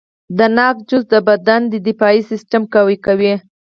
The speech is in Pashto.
د ناک جوس د بدن دفاعي سیستم قوي کوي.